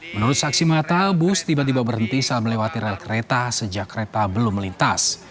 menurut saksi mata bus tiba tiba berhenti saat melewati rel kereta sejak kereta belum melintas